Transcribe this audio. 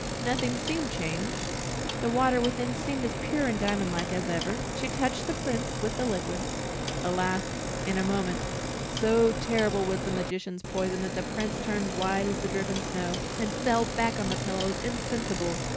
Nothing seemed changed; the water within seemed as pure and diamond like as ever. She touched the Prince with the liquid. Alas, in a moment, so terrible was the magician's poison that the Prince turned white as the driven snow, and fell back on the pillows insensible.